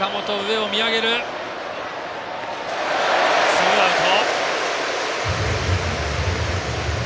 ツーアウト。